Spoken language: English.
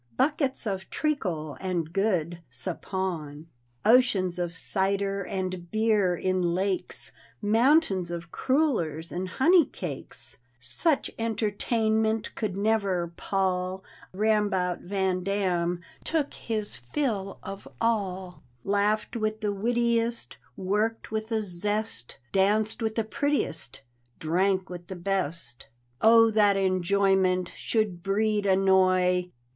Buckets of treacle and good suppawn. Oceans of cider, and beer in lakes, Mountains of crullers and honey cakes — Such entertainment could never pall I Rambout Van Dam took his till of all; Laughed with the wittiest, worked with a zest, Danced with the prettiest, drank with the best Oh! that enjoyment should breed annoy!